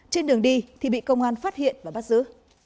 trên đường đi thì bị công an phát hiện và bắt giữ